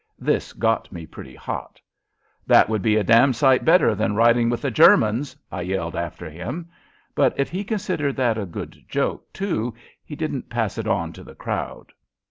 This got me pretty hot. "That would be a damned sight better than riding with the Germans!" I yelled after him, but if he considered that a good joke, too, he didn't pass it on to the crowd.